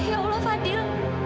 ya allah fadil